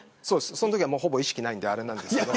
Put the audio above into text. そのときは、ほぼ意識ないんであれなんですけど。